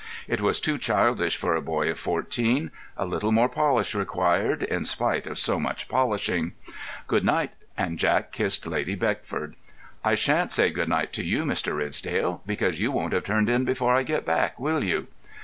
It was too childish for a boy of fourteen—a little more polish required, in spite of so much polishing. "Good night," and Jack kissed Lady Beckford. "I shan't say good night to you, Mr. Ridsdale, because you won't have turned in before I get back, will you?"